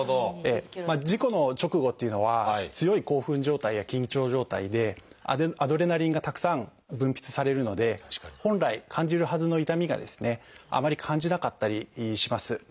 事故の直後っていうのは強い興奮状態や緊張状態でアドレナリンがたくさん分泌されるので本来感じるはずの痛みがですねあまり感じなかったりします。